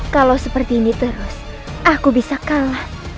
kalau seperti ini terus aku bisa kalah